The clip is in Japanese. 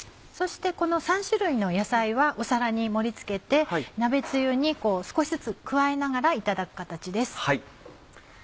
そしてこの３種類の野菜は皿に盛り付けて鍋つゆに少しずつ加えながらいただく形です。